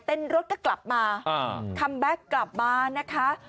รถก็กลับมาคัมแบ็คกลับมานะคะ